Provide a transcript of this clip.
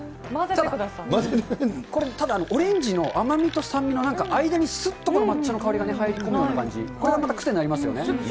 ただこれ、オレンジの甘みと酸味の間に、すっとこの抹茶の香りが入り込むような感じ、すっきりしますよね。